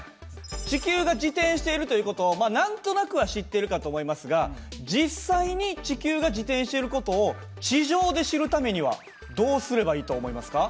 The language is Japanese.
地球が自転しているという事をまあ何となくは知ってるかと思いますが実際に地球が自転している事を地上で知るためにはどうすればいいと思いますか？